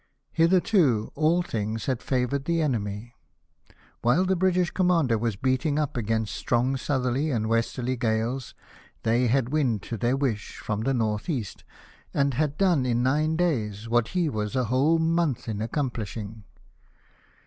Hitherto all things had favoured the enemy. While the British commander was beating up against strong southerly and westerly gales, they had wind to their wish from the N.E., and had done in nine days what he was a whole month in accom pUshing.